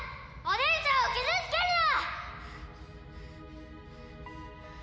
お姉ちゃんを傷つけるな！